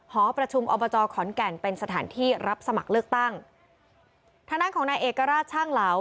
หอประชุมอบจขอนแก่นเป็นสถานที่รับสมัครเลือกตั้งทางด้านของนายเอกราชช่างเหลา